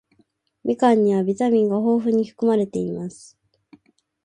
みかんにはビタミンが豊富に含まれています。